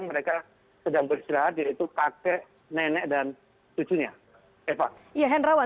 mereka sedang beristirahat yaitu kakek nenek dan cucunya eva